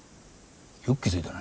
よく気付いたな。